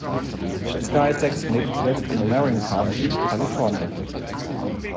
Sky Saxon lebte zuletzt in Marin County, Kalifornien.